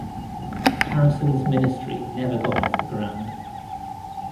Harrison's ministry never got off the ground.